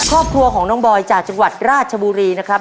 ครอบครัวของน้องบอยจากจังหวัดราชบุรีนะครับ